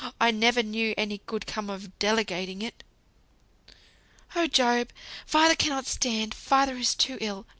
I ne'er knew any good come of delegating it." "Oh, Job! father cannot stand father is too ill.